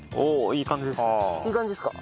いい感じですか？